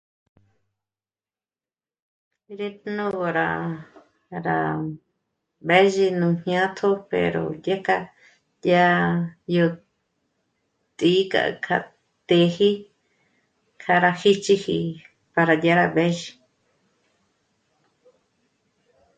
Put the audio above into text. Rí 'ätpji... nú rá... rá mbêzhi nú jñátjo pero dyèk'a... dyà... yó t'ǐ'i k'a... k'a tëji kja rá 'jích'iji para dyà rá mbézhü